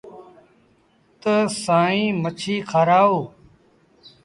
تا سائيٚݩ مڇي کآرآئو۔